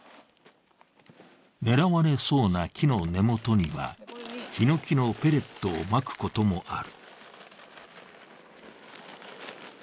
狙われそうな木の根元にはヒノキのペレットをまくこともある。